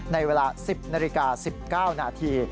ในเวลา๑๐นาฬิกา๑๙นาที